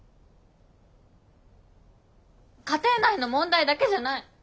家庭内の問題だけじゃない。